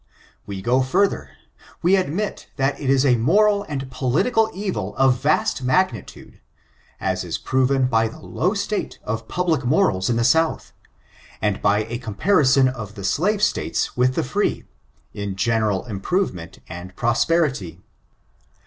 We go further, we ad mit that it is a moral and pohtical evil of vast mag nitude, as is proven by the low state of public mor als in the South, and by a comparison of the slave states with the free, in general improvement and prosperity.